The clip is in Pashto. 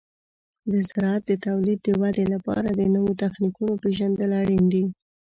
د زراعت د تولید د ودې لپاره د نوو تخنیکونو پیژندل اړین دي.